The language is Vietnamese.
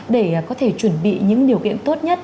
để có thể chuẩn bị những điều kiện tốt nhất